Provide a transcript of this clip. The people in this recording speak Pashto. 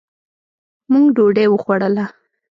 مونږ ډوډي وخوړله